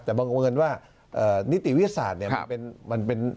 แต่บังเอิญว่านิติวิทยาศาสตร์เนี่ยมันเป็น